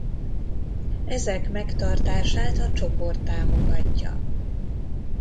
Ezek megtartását a csoport támogatja.